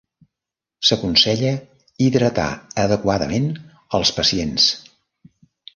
S'aconsella hidratar adequadament als pacients.